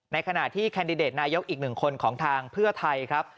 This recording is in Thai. ขณะที่แคนดิเดตนายกอีกหนึ่งคนของทางเพื่อไทยครับ